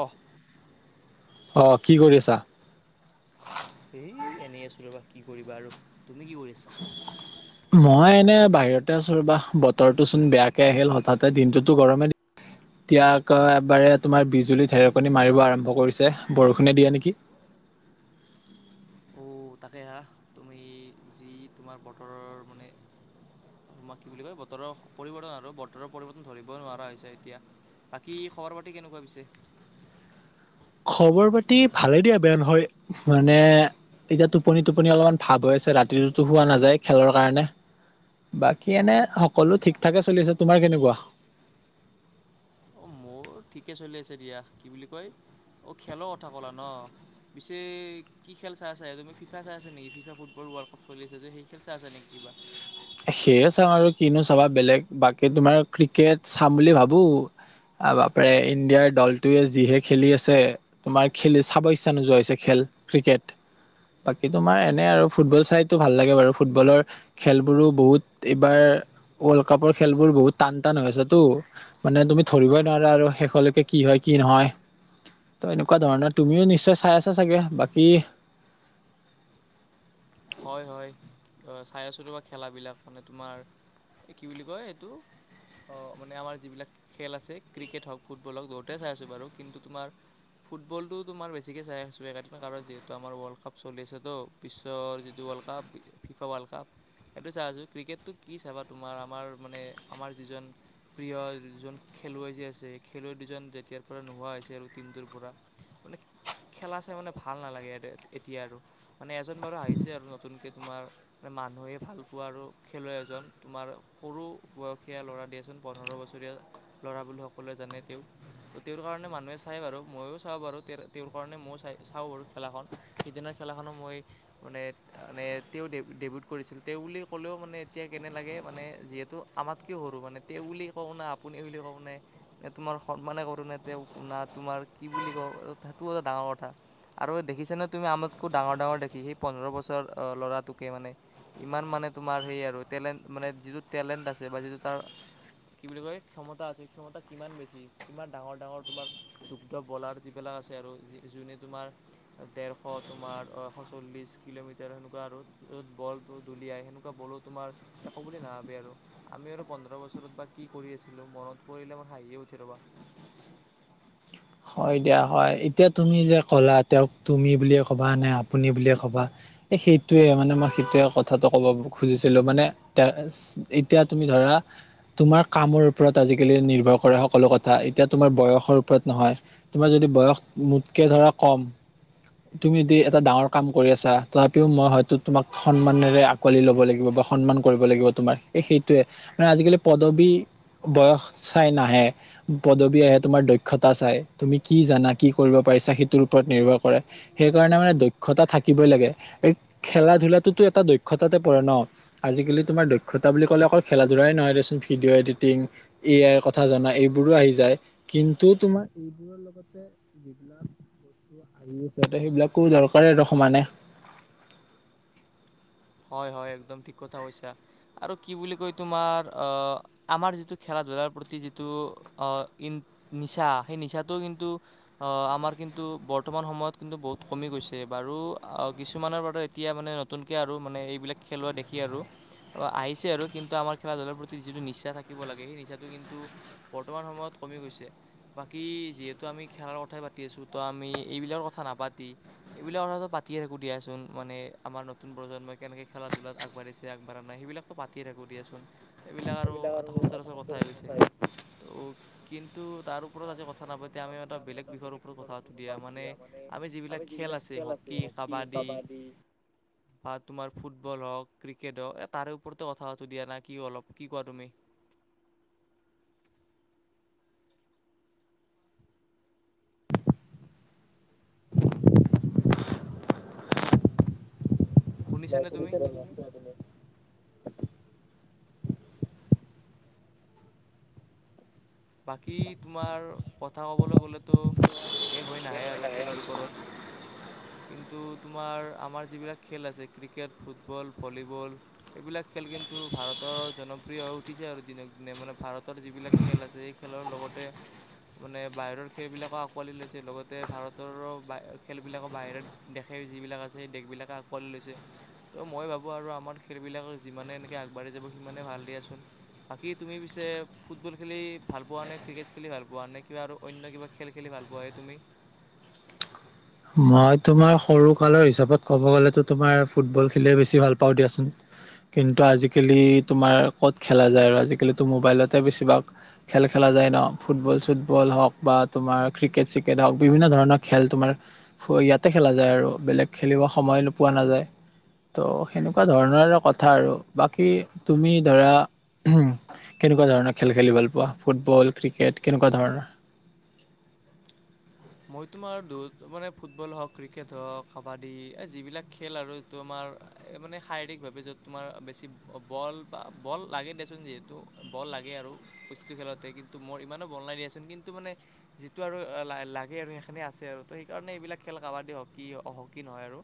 অ' অ' কি কৰি আছা? এই এনেই আছো ৰবা কি কৰিবা আৰু তুমি কি কৰি আছা? মই এনে বাহিৰতে আছো ৰবা, বতৰটো চোন বেয়াকে আহিল হঠাতে দিনটোতো গৰমে ইয়াক এবাৰে তোমাৰ বিজুলী ঢেৰকণী মাৰিব আৰম্ভ কৰিছে, বৰষুণে দিয়ে নেকি। [unintelligible] [unintelligible] তাকেহা তুমি যি তোমাৰ বতৰৰ মানে [unintelligible] কি বুলি কয় বতৰৰ পৰিৱৰ্তন আৰু বতৰৰ পৰিৱৰ্তন ধৰিব নোৱাৰা হৈছে এতিয়া। বাকী খবৰ পাতি কেনেকুৱা পিছে? [unintelligible] খবৰ পাতি ভালে দিয়া বেয়া নহয়। মানে এতিয়া টোপনি টোপনি অলপমান ভাৱ হৈ আছে। ৰাতিটোতো হোৱা নাযায় খেলৰ কাৰণে। বাকী এনে সকলো ঠিকঠাকে চলি আছে। তোমাৰ কেনেকুৱা? মোৰ [unintelligible] অ ঠিকে চলি আছে দিয়া। কি বুলি কয় অ খেলৰ কথা ক'লা ন? পিছে কি খেল চাই আছা। তুমি ফিফা চাই আছ নিকি ফিফা ফুটবল ৱৰ্ল্ড কাপ চলি আছে যে, সেই খেল চাই আছা নেকি? উৱা সেইয়ে চাওঁ আৰু কিনো চাবা বেলেগ বাকী তোমাৰ ক্ৰিকেট চাম বুলি ভাবো, আৰু বাপৰে ইণ্ডিয়াৰ দলটোৱে যিহে খেলি আছে, তোমাৰ খেলি চাব ইচ্ছা নোযোৱা হৈছে খেল। ক্ৰিকেট বাকী তোমাৰ এনে আৰু ফুটবল চাইতো ভাল লাগে বাৰু। ফুটবলৰ খেল- বোৰো বহুত এইবাৰ ৱৰ্ল্ড কাপৰ খেলবোৰ বহুত টান টান হৈ আছেটো, মানে তুমি ধৰি- কবই নোৱাৰো আৰু শেষলৈকে কি হয় কি নহয়। ত এনেকুৱা ধৰণৰ, তুমিও নিশ্চয় চাই আছা চাগে। বাকী, [unintelligible] হয় হয় চাই আছো, তোমাৰ খেলাবিলাক মানে তোমাৰ- এ কি বুলি কয় এইটো- অ মানে আমাৰ যিবিলাক খেল আছে, ক্ৰিকেট হওক, ফুটবল হওক, বহুতেই চাই আছো বাৰু কিন্তু তোমাৰ- ফুটবলটো তোমাৰ বেছিকে চাই আছো, এ [unintelligible] কাৰণ যিহেতু আমাৰ ৱৰ্ল্ড কাপ চলি আছে ত, বিশ্বৰ- দু ৱাৰ্ল্ড কাপ ফি ফিফা ৱাৰ্ল্ড কাপ, সেইটো চাই আছো। ক্ৰিকেটটো কি চাবা তোমাৰ আমাৰ মানে আমাৰ যিজন প্ৰিয় যিজন- খেলুৱৈ যে আছে, খেলুৱৈ দুজন যেতিয়াৰ পৰা নোহোৱা হৈছে আৰু টিমটোৰ পৰা- মানে খেলা চাই মানে ভাল নালাগে এতিয়া আৰু মানে এজন লৰা আহিছ- আৰু নতুনকে তোমাৰ মানুহে ভাল পোৱা আৰু খেলুৱৈ এজন তোমাৰ সৰু বয়স- সেয়া ল'ৰা দিয়াচোন, পন্ধৰ বছৰীয়া ল'ৰা বুলি সকলোৱে জানে, তেওঁক ত তেওঁৰ কাৰণে মানুহে চাই বাৰু, মইয়ো চাওঁ বাৰু তেৰ তেওঁৰ কাৰণে মইয়ো চাই চাওঁ বাৰু খেলাখন। সিদিনা- খেলাখনো মই মানে মানে তেওঁ ডেবি ডেবিউট কৰিছিল, তেওঁ বুলি ক'লেও মানে এতিয়া কেনে লাগে মানে যিহেতু আ আমাত কে সৰু মানে, তেওঁ বুলি কওঁ না, আপুনি বুলি কও নে, নে তোমাৰ সন্মানে কৰো নে তেওঁ না তো তোমাৰ কি বুলি কওঁ, সেইটোও এটা ডাঙৰ কথা। আৰু দেখিছ নে তুমি আমতকৈ ডাঙৰ ডাঙৰ দেখি সেই পোন্ধৰ বছৰ ল'ৰাটোকে মানে, ইমান মানে তোমাৰ সেই আৰু টেলেন্ট মানে যিটো টেলেণ্ট আছে কে বাজু তু তাৰ কি বুলি কয়, ক্ষমতা আছে, ক্ষমতা কিমান বেছি কিমান ডাঙৰ ডাঙৰ তোমাৰ দুগ্ধ বলাৰ যিবিলাক তাছতে আৰু যোনে তোমাৰ ঢেৰশ তোমাৰ এশ চল্লিশ কিলোমিটাৰ সেনেকুৱা আৰু যত বলটো দলিয়াই সেনেকুৱা, বলো তোমাৰ একো বুলি নাভাবে আৰু। আমি আৰু পোন্ধৰ বছৰত বা কি কৰি আছিলোঁ মনত পৰিলে মোৰ হাঁহিয়ে উঠি ৰ'বা। [unintelligible] হয় দিয়া হয়। এতিয়া তুমি যে ক'লা তেওঁক তুমি বুলিয়ে ক'বা নে আপুনি বুলিয়ে ক'বা- সেইটোৱে মানে মই সেইটোৱে কথাটো ক'ব খুজিছিলো, মানে তা এ এতিয়া তুমি ধৰা তোমাৰ কামৰ ওপৰত আজিকালি নিৰ্ভৰ কৰে সকলো কথা, এতিয়া তোমাৰ বয়সৰ ওপৰত নহয়, তোমাৰ যদি বয়স মোতকে ধৰা কম - তুমি যদি এটা ডাঙৰ কাম কৰি আছা, তথাপিও মই হয়তো তোমাক সন্মানেৰে আকোৱালি ল'ব লাগিব, সন্মান কৰিব লাগিব তোমাক এ সেইটোয়ে, মানে আজিকালি পদবী বয়স চাই নাহে, পদবী আহে তোমাৰ দক্ষতা চাই। তুমি কি জানা কি কৰিব পাৰিছা সেইটোৰ ওপৰত নিৰ্ভৰ কৰে। সেইকাৰণে মানে দক্ষতা থাকিবই লাগে। এই খেলা ধূলাটোত এটা দক্ষতাতে পৰে ন আজিকালি তোমাৰ দক্ষতা বুলি ক'লে অকল খেলা ধূলাই নহয় দেচোন ভিডিঅ' এডিটিং এ আইৰ কথা জনা এইবোৰো আহি যায়। কিন্তু, তোমাৰ এইবোৰৰ লগতে যিবিলাক বস্তু আহি আচতে সেইবিলাকো দৰকাৰে সমানে। [unintelligible] হয়, হয় একদম ঠিক কথা কৈছা আৰু কি বুলি কয় তোমাৰ অ আমাৰ যিটো খেলা-ধূলা তাৰ প্ৰতি যিটো আ ইন নিচা সেই নিচাটোও কিন্তু অহ আমাৰ কিন্তু বৰ্তমান সময়ত কিন্তু বহুত কমি গৈছে বাৰু আ, কিছুমানৰ বাৰু এতিয়া মানে নতুনকে আৰু আৰু মানে এইবিলাক খেলুৱা দেখি আৰু আহিছে আৰু কিন্তু আমাৰ খেলা-ধূলাৰ প্ৰতি যিটো নিচা থাকিব লাগে এই নিচাটো কিন্তু বৰ্তমান সময়ত কমি গৈছে। বাকী যিহেতু আমি খেলাৰ কথাই পাতি আছো ত আমি এইবিলাকৰ কথা নাপাতি এইবিলাকৰ কথা পাতি টিআইকো দিয়াচোন মানে আমাৰ নতু নতুন প্ৰজন্ম কেনেকে খেলা ধূলাত আগ বাঢ়িছে আগবঢ়া নাই সেইবিলাকতো পাতিয়ে থাকো দিয়াচোন। এইবিলাক আৰু এটা সচৰাচৰ কথা হৈ গৈছে ত' কিন্তু তাৰ ওপৰত আজি কথা নাপাতি এতিয়া আমি এটা বেলেগ বিষয়ৰ ওপৰত কথা পাতো দিয়া মানে আমি যিবিলাক খেল আছে হকী, কাবাডী উহ বা তোমাৰ ফুটবল হওক ক্ৰিকেট হওক এ তাৰে ওপৰতে কথা পাতো দিয়া না কি অলপ কি কোৱা তুমি? [inaudible] শুনিছানে তুমি [unintelligible] বাকী তোমাৰ কথা কবলৈ গ'লে ত শেষ হৈ নাহে আৰু খেলৰ ওপৰত কিন্তু, তোমাৰ আমাৰ যিবিলাক খেল আছে ক্ৰিকেট ফুটবল ভলীবল সেইবিলাক খেল কিন্তু ভাৰত জনপ্ৰিয় হৈ উঠিছে আৰু দিনক দিনে মানে ভাৰতৰ যিবিলাক খেল আছে সেই খেলৰ লগতে মানে বাহিৰৰ খেলবিলাকে আঁকোৱালি লৈছে লগতে ভাৰতৰো খেলবিলাকো বাহিৰত দেশে যিবিলাক আছে সেই দেশবিলাক আকোৱালি লৈছে। ত' মই ভাবো আৰু আমাৰ খেলবিলাক যিমানে এনেকে আগবাঢ়ি যাব সিমানে ভাল দিয়াচোন। বাকী তুমি পিছে ফুটবল খেলি ভাল পোৱা নে ক্ৰিকেট খেলি ভাল পোৱা নে কিবা আৰু অন্য কিবা খেল খেলি ভাল পোৱা সে তুমি? মই, তোমাৰ সৰু কালৰ হিচাপত ক'ব গ'লেতো তোমাৰ ফুটবল খেলিয়ে বেছি ভাল পাওঁ দিয়াচোন। কিন্তু আজিকালি তোমাৰ ক'ত খেলা যায় আৰু আজিকালি তো মোবাইলতে বেছিভাগ খেল খেলা যায় ন। ফুটবল চুটবল হওক বা তোমাৰ ক্ৰিকেট চ্ৰিকেট হওক বিভিন্ন ধৰণৰ খেল তোমাৰ হো ইয়াতে খেলা যায় আৰু বেলেগ খেলিব সময় নোপোৱা নাযায়। ত' সেনেকুৱা ধৰণৰ কথা আৰু বাকী তুমি ধৰা উহু কেনেকুৱা ধৰণৰ খেল খেলি ভাল পোৱা ফুটবল ক্ৰিকেট কেনেকুৱা ধৰণৰ। [unintelligible] মই তোমাৰ দু মানে ফুটবল হওঁক ক্ৰিকেট হওক কাবাডী এই যিবিলাক খেল আৰু এ তোমাৰ এ মানে শায়েকীকভাবে যত তোমাৰ বেছি বল বা বল লাগে দিয়াচোন যিহেতু বল লাগে আৰু প্ৰতিটো খেলতে কিন্তু মই ইমানো বল নাই দিয়াচোন কিন্তু মানে যিটো আৰু লাহে লাগ আৰু সেইখিনি আছে আৰু ত সেইকাৰণে এইবিলাক খেল কাবাডী হকী অ হকী নহয় আৰু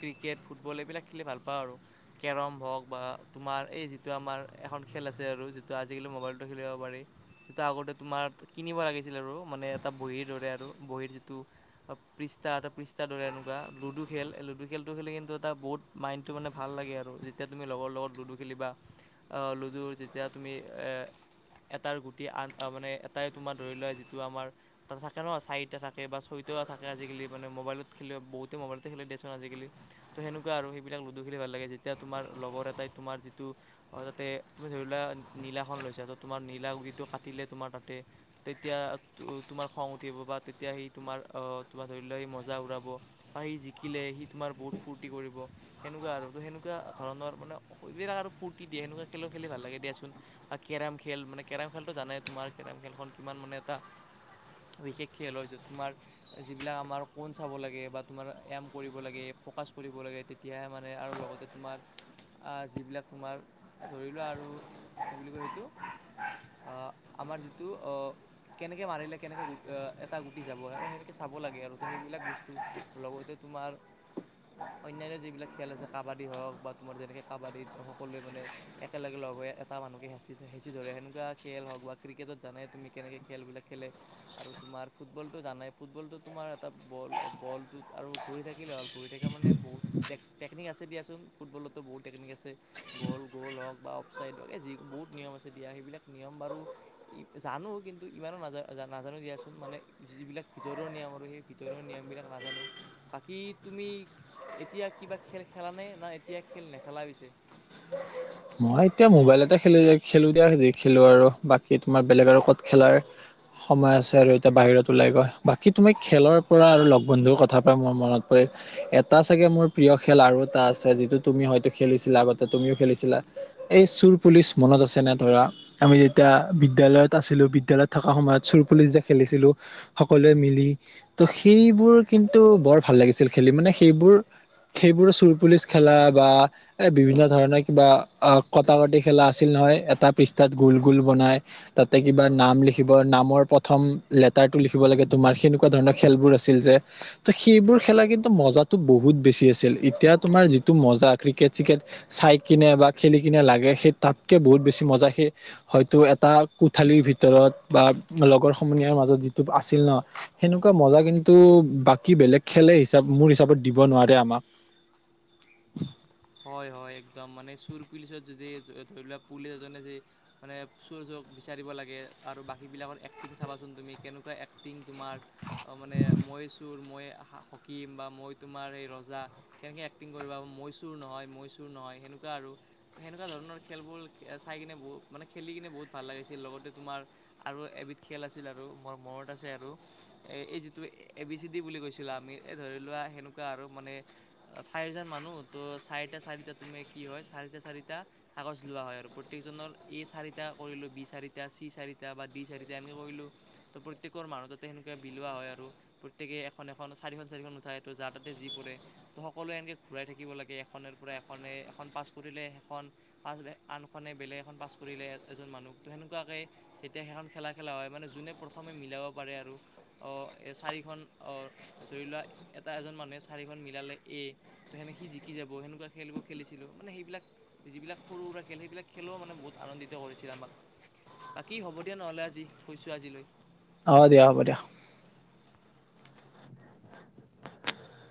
ক্ৰিকেট ফুটবল এইবিলাক খেলি ভাল পাওঁ আৰু কেৰম হওক বা তোমাৰ এই যিটো আমাৰ এখন খেল আছে আৰু যিটো আজি মোবাইলটো খেলিব পাৰি সেইটো আগতে তোমাৰ কিনিব লাগিছিল আৰু মানে এটা বহিৰ দৰে আৰু। বহীৰ যিটো পৃষ্ঠা এটা পৃষ্ঠাৰ দৰে এনেকুৱা লুডু খেল লুডু খেলটো খেলি কিন্তু এটা বহুত। বুত মাইণ্ডটো মানে ভাল লাগে আৰু যেতিয়া তুমি লগৰ লগত লুডু খেলিবা অ লুডুৰ যেতিয়া তুমি এ, [unintelligible] এটাৰ গুটি আন মানে এটাই তোমাৰ ধৰি লোৱা যিটো আমাৰ ত থাকে ন চাইট এতিয়া থাকে বা চৈত থাকে আজিকালি মানে মোবাইলত খেলি বহুতে মোবাইলতে খেলে দিয়াচোন আজিকালি তো সেনুকা আৰু। সেইবিলাক লুডু খেলি ভাল লাগে যেতিয়া তোমাৰ লগৰ এটাই তোমাৰ যিটো অ তাতে তুমি ধৰি লোৱা নীলা খন লৈছা ত তোমাৰ নীলা গুটি তো কাটিলে তোমাৰ তাতে তেতিয়া তো তোমাৰ খং উঠিব বা তে তেতিয়া সি তোমাৰ অ তোমাৰ ধৰি লোৱাক সি মজা উৰাব বা সি জিকিলে সি তোমাৰ বহুত ফূৰ্তি কৰিব। সেনেকুৱা আৰু ত সেনেকুৱা ধৰণৰ মানে এইবিলাক আৰু ফূৰ্তি দিয়ে সেনেকুৱা খেলো খেলি ভাল লাগে দিয়াচোন। কেৰাম খেল মানে কেৰাম খেলটো জানাই তোমাৰ কেৰাম খেলখন কিমান মানে এটা বিশেষ খেল হয় যত তোমাৰ যিবিলাক আমাৰ কোন চাব লাগে বা তোমাৰ এম কৰিব লাগে, ফ'কাচ কৰিব লাগে। তেতিয়াহে মানে আৰু লগতে তোমাৰ আহ যিবিলাক তোমাৰ ধৰিলোৱা আৰু কি বুলি কয় সেইটো অহ আমাৰ যিটো অ কেনেকে মাৰিলে কেনেকে গোল‌ অ টাৰ গুটি যাব আৰু সেনেকে চাব লাগে আৰু। তো সেইবিলাক বস্তু লগতে তোমাৰ অন্যান্য যিবিলাক খেল আছে। কাবাডী হওঁক বা তোমাৰ যেনেকে কাবাডীত সকলোৱে মানে একেলগে লগ এটা মানুহকে হেচি হেঁচি ধৰে সেনেকুৱা খেল হওক বা ক্ৰিকেটত জানা তুমি কেনেকে খেলবিলাক খেলে। আৰু তোমাৰ? ফুটবলটো জানাই ফুটবলটো তোমাৰ এটা বল বলটোত আৰু ঘূৰি থাকিলে হ'ল ঘূৰি থাকা মানে বহুত টক টেকনিক আছে দিয়াচোন ফুটবলতো বহুত টেকনিক আছে, গ'ল-গ'ল হওক বা অফচাইডে হওক যিকোনো বহুত নিয়ম আছে দিয়া। সেইবিলাক নিয়ম বাৰু জানো কিন্তু ইমানো নাজ-নাজানো দিয়াচোন মানে। যিবিলাক ভিতৰৱা নিয়ম আৰু সেই ভিতৰুৱা নিয়মবিলাক নাজানো। বাকী তুমি এতিয়া কিবা খেল খেলা নে না এতিয়া খেল নেখেলা পিছে। [inaudible] মই এতিয়া মোবাইলতে খেল খেলো দিয়া যি খেলো আৰু। বাকী তোমাৰ বেলেগ আৰু ক'ত খেলাৰ সময় আছে আৰু এতিয়া বাহিৰত ওলাই গৈ বাকি তুমি খেলৰ পৰা আৰু লগ বন্ধুৰ কথা পৰা মোৰ মনত পৰে এটা চাগে মোৰ প্ৰিয় খেল আৰু এটা আছে যিটো তুমি হয়তো খেলিছিলা, আগতে তুমিও খেলিছিলা। এই চুৰ পুলিচ মনত আছে নে ধৰা আমি যেতিয়া বিদ্য়ালয়ত আছিলো বিদ্যলয়ত থকা সময়ত চুৰ পুলিচ যে খেলিছিলো সকলোৱে মিলি। তো সেইবোৰ কিন্তু বৰ ভাল লাগিছিল খেলি মানে সেইবোৰ, সেইবোৰ চোৰ পুলিচ খেলা বা এই বিভিন্ন ধৰণৰ কিবা অ কটা কটি খেলা আছিল নহয় এটা পৃষ্ঠাত গোল গোল বনাই তাতে কিবা নাম লিখিব নামৰ প্ৰথম লেটাৰটো লিখিব লাগে তোমাৰ সেনেকুৱা ধৰণৰ খেলবোৰ আছিল যে ত' 'সেইবোৰ খেলা কিন্তু মজাতো বহুত বেছি আছিল। এতিয়া তোমাৰ যিটো মজা ক্ৰিকেট চিকেট চাই কিনে বা খেলি কিনে লাগে সেই তাতকে বহুত বেছি মজা সেই হয়তো এটা কোঠালিৰ ভিতৰত বা লগৰ সমনীয়াৰ মাজত যিটো আছিল ন সেনেকুৱা মজা কিন্তু বাকী বেলেগ খেলে হিচাপ মোৰ হিচাপত দিব নোৱাৰে আমাক। হয় হয় একদম মানে চুৰ পুলিচত যদি ধৰি লোৱা পুলিচ এজনে যদি মানে চুৰ জ বিচাৰিব লাগে আৰু বাকী বিলাকৰ এক্টিং চাবাচোন তুমি, কেনেকুৱা এক্টিং তোমাৰ অ' মানে মই চুৰ মই হা হাকিম বা মই তোমাৰ এই ৰজা, কেনেকৈ এক্টিং কৰিবা মই চু চুৰ নহয়, মই চুৰ নহয়, সেনেকুৱা আৰু। সেনেকুৱা ধৰণৰ খেলবোৰ চাই কিনে বহু মানে খেলি কিনে বহু বহুত ভাল লাগিছিল লগতে তোমাৰ আৰু এবিধ খেল আছিল আৰু মোৰ মনত আছে আৰু এই যিটো এ বি চি ডি বুলি কৈছিলো আমি। এ ধৰি লোৱা সেনেকুৱা আৰু মানে চাৰিজন মানুহ তো চাৰিটা, চাৰিটা তুমি কি হয়, চাৰিটা চাৰিটা কাগজ লোৱা হয় আৰু প্ৰত্যেকজনৰ এই চাৰিটা কৰিলোঁ বি চাৰিটা, চি চাৰিটা বা দি চাৰিটা এনেকে কৰিলোঁ। ত 'প্ৰত্যেকৰ [unintelligible] সেনেকুৱা বিলোৱা হয়। আৰু প্ৰত্যেকে এখন এখন চাৰিখন চাৰিখন উঠাই তো যাৰ তাতে যি পৰে। তো সকলোৱে এনেকে ঘুৰাই থাকিব লাগে। এখন‌পৰা এখনে এখন পাছ কৰিলে সেখন পাছ আনখনে বেলেগ এখন পাছ কৰিলে এজন মানুহ ত সেনেকুৱাকে যেতিয়া সেইখন খেলা খেলা হয় মানে যোনে প্ৰথমে মিলাব পাৰে আৰু অ চাৰিখন অ ধৰি লোৱা এটা এজন মানুহে চাৰিখন মিলালে এ। তো সেনেক সি জি শিককি যাব সেনেকুৱা খেলবোৰ খেলিছিলো। মানে সেইবিলাক যিবিলাক সৰু সুৰা খেল সেইবিলাক খেলেও মানে বহুত আনন্দিত কৰিছিল। আক বাকী হ'ব দিয়া নহলে আজি থৈছো আজিলৈ অ দিয়া, হ'ব দিয়া।